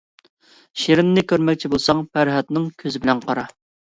شىرىننى كۆرمەكچى بولساڭ پەرھادنىڭ كۆزى بىلەن قارا.